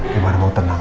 gimana mau tenang